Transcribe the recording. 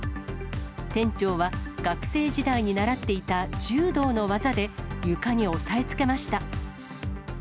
店長は学生時代に習っていた柔道の技で、床に押さえつけました。